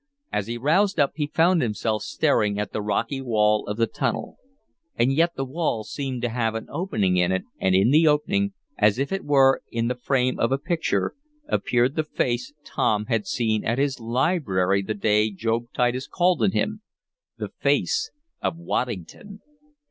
As he roused up he found himself staring at the rocky wall of the tunnel. And yet the wall seemed to have an opening in it and in the opening, as if it were in the frame of a picture, appeared the face Tom had seen at his library the day Job Titus called on him the face of Waddington!